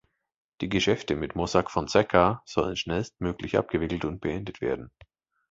Die Geschäfte mit Mossack Fonseca sollen schnellstmöglich abgewickelt und beendet werden.